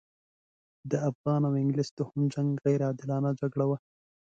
د افغان او انګلیس دوهم جنګ غیر عادلانه جګړه وه.